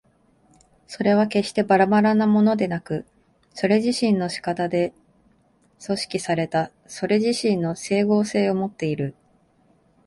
それは決してばらばらなものでなく、それ自身の仕方で組織されたそれ自身の斉合性をもっている。